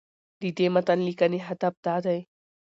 د دې متن لیکنې هدف دا دی